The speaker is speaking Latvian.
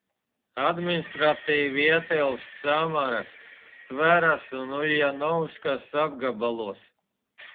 Administratīvi ietilpst Samaras, Tveras un Uļjanovskas apgabalos.